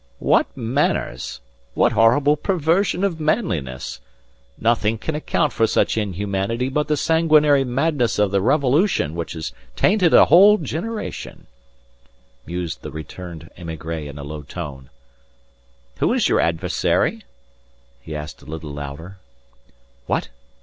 "What manners! What horrible perversion of manliness! Nothing can account for such inhumanity but the sanguinary madness of the Revolution which has tainted a whole generation," mused the returned émigré in a low tone. "Who is your adversary?" he asked a little louder. "What?